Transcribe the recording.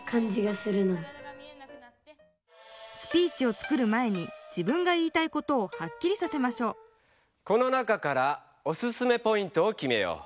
スピーチを作る前に自分が言いたいことをはっきりさせましょうこの中からオススメポイントをきめよう。